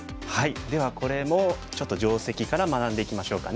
ではこれもちょっと定石から学んでいきましょうかね。